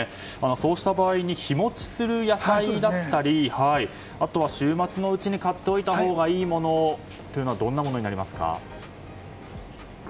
そうした場合に日持ちする野菜だったりあとは週末のうちに買っておいたほうがいいものはどんなものになりますか？